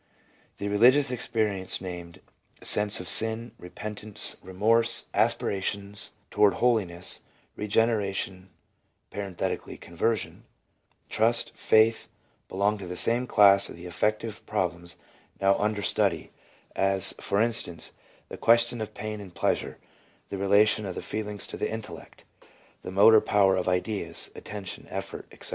The religious experiences named sense of sin, repentance, remorse, aspirations toward holiness, regen eration (conversion), trust, faith, belong to the same class as the affective problems novr under study, as, for instance, the question of pain and pleasure, the relation of the feelings to the intellect, the motor power of ideas, attention, effort, etc.